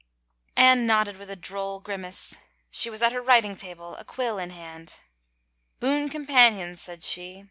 Anne nodded with a droll grimace. She was at her writing table, a quill in her hand. " Boon companions," said she.